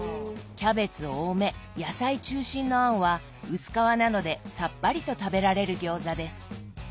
キャベツ多め野菜中心の餡は薄皮なのでさっぱりと食べられる餃子です。